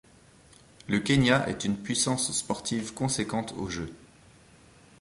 Le Kenya est une puissance sportive conséquente aux Jeux.